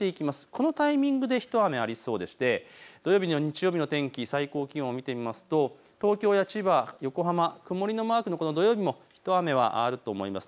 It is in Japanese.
このタイミングで一雨ありそうでして土曜日と日曜日の天気、最高気温を見てみますと東京や千葉、横浜、曇りのマークの土曜日も一雨はあると思います。